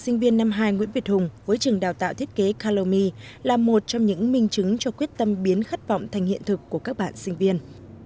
học sinh sinh viên năm hai nguyễn việt hùng với trường đào tạo thiết kế calomy là một trong những minh chứng cho quyết tâm biến khát vọng thành hiện thực của các bạn sinh viên